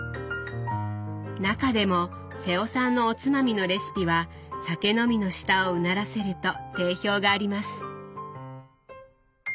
中でも瀬尾さんのおつまみのレシピは酒飲みの舌をうならせると定評があります。